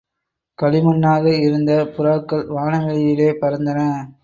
களிமண்ணாக இருந்த புறாக்கள் வானவெளியிலே பறந்தன.